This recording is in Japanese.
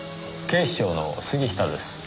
警視庁の杉下です。